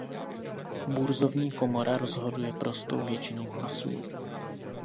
Burzovní komora rozhoduje prostou většinou hlasů.